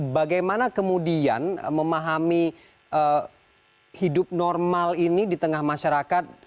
bagaimana kemudian memahami hidup normal ini di tengah masyarakat